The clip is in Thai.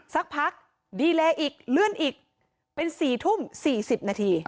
สักพักดีเลยอีกเลื่อนอีกเป็น๔ทุ่ม๔๐นาที